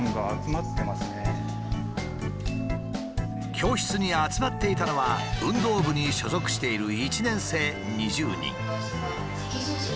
教室に集まっていたのは運動部に所属している１年生２０人。